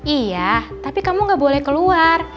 iya tapi kamu gak boleh keluar